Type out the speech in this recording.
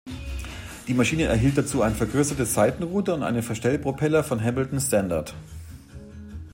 Die Maschine erhielt dazu ein vergrößertes Seitenruder und einen Verstellpropeller von Hamilton Standard.